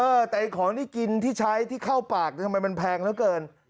อีกของที่กินที่ใช้ที่เข้าปากทำไมเป็นแพงเยอะเกิน